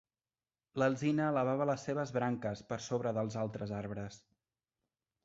L'alzina elevava les seves branques per sobre dels altres arbres.